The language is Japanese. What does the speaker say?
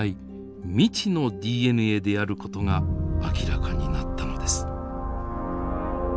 未知のＤＮＡであることが明らかになったのです。